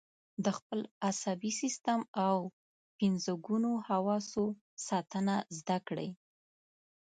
د خپل عصبي سیستم او پنځه ګونو حواسو ساتنه زده کړئ.